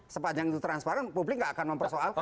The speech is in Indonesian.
sepanjang itu transparan publik nggak akan mempersoalkan